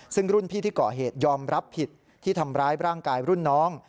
ซึ่งรุ่นพี่ที่ก่อเหตุยอมรับผิดที่ทำร้ายร่างกายรุ่นน้อง